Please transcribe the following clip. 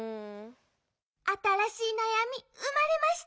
あたらしいなやみうまれました！